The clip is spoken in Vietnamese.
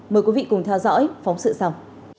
mời quý vị cùng theo dõi phóng sự sau